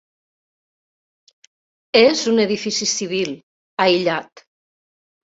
És un edifici civil, aïllat.